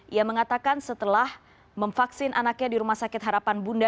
ia mengatakan setelah memvaksin anaknya di rumah sakit harapan bunda